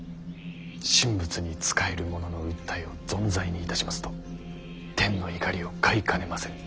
神仏に仕える者の訴えをぞんざいにいたしますと天の怒りを買いかねません。